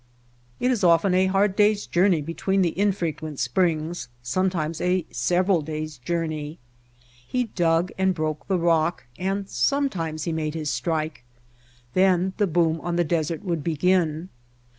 It is often a hard day's journey be tween the infrequent springs, sometimes a sev eral days' journey., He dug and broke the rock, and sometimes he made his "strike." Then the boom on the desert would begin.